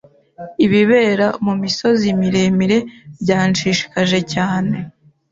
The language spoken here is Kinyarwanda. Ibibera mu misozi miremire byanshishikaje cyane.